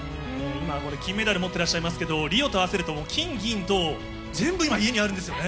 今、これ金メダル持っていらっしゃいますけれども、リオと合わせると金銀銅、全部今、家にあるんですよね。